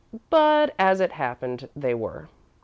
But, as it happened, they were.